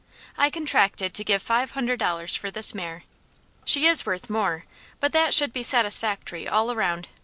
I contracted to give five hundred dollars for this mare. She is worth more; but that should be satisfactory all around.